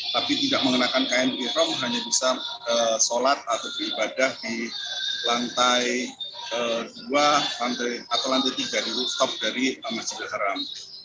tapi tidak mengenakan kmirom hanya bisa sholat atau ibadah di lantai dua atau lantai tiga dari rooftop dari masjidil haram